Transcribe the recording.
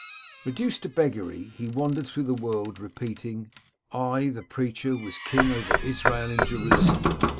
Reduced to beggary, he wandered through the world repeating, * I, the preacher, was king over Israel in Jerusalem.'